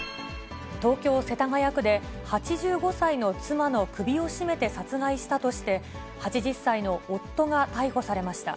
東京・世田谷区で、８５歳の妻の首を絞めて殺害したとして、８０歳の夫が逮捕されました。